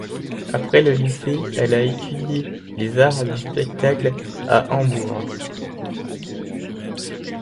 Après le lycée, elle a étudié les arts du spectacle à Hambourg.